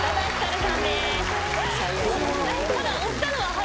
ただ。